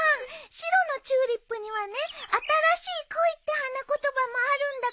白のチューリップにはね「新しい恋」って花言葉もあるんだから。